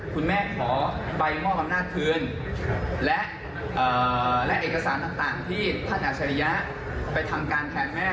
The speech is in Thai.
คุณแม่ขอใบม่อลำนาจคืนและเอกสารต่างที่ท่านอัจฉริยาไปทำการแผนแม่